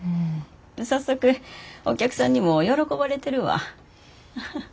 早速お客さんにも喜ばれてるわ。